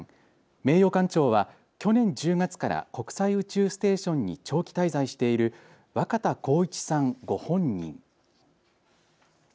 名誉館長は去年１０月から国際宇宙ステーションに長期滞在している若田光一さんご本人。